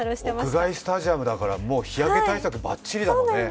屋外スタジアムだから日焼け対策バッチリだね。